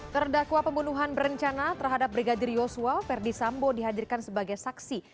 terdakwa pembunuhan berencana terhadap brigadir yosua verdi sambo dihadirkan sebagai saksi